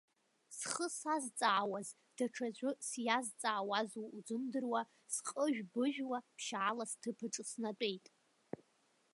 Схы сазҵаауаз даҽаӡәы сиазҵаауазу узымдыруа, сҟыжәбыжәуа, ԥшьаала сҭыԥ аҿы снатәеит.